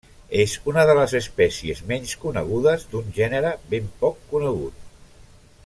És una de les espècies menys conegudes d'un gènere ben poc conegut.